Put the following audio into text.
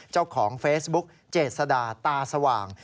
เจ้าของเฟซบุ๊กเจษดาตาสว่าง